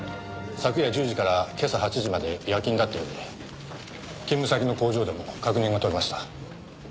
昨夜１０時から今朝８時まで夜勤だったようで勤務先の工場でも確認が取れました。